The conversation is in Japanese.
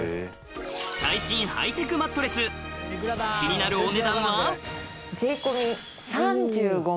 最新ハイテクマットレス気になる安っ！